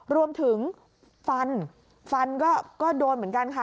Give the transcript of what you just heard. รวมถึงฟันฟันก็โดนเหมือนกันค่ะ